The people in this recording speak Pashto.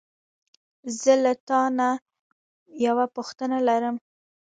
زه له تا نه یوه پوښتنه لرم.